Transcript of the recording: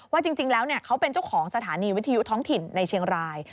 จริงแล้วเขาเป็นเจ้าของสถานีวิทยุท้องถิ่นในเชียงราย